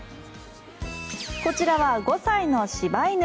こちらは５歳の柴犬。